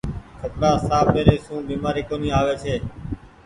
ڪپڙآ ساڦ پيري سون بيمآري ڪونيٚ آوي ڇي۔